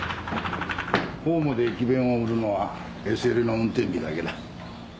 ホームで駅弁を売るのはＳＬの運転日だけだ。